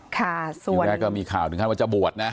อย่างแรกก็มีข่าวถึงท่านว่าจะบวชนะ